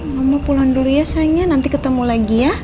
mama pulang dulu ya sayangnya nanti ketemu lagi ya